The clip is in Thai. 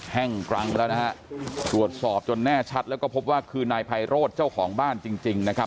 แห้งกรังไปแล้วนะฮะตรวจสอบจนแน่ชัดแล้วก็พบว่าคือนายไพโรธเจ้าของบ้านจริงจริงนะครับ